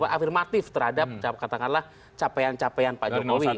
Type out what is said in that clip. afirmatif terhadap katakanlah capaian capaian pak jokowi